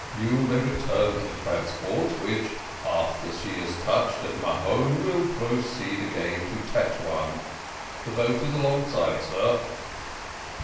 You may return to the transport, which, after she has touched at Mahon, will proceed again to Tetuan. The boat is alongside, sir."